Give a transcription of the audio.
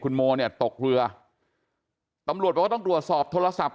คุณโมเนี่ยตกเรือตำรวจบอกว่าต้องตรวจสอบโทรศัพท์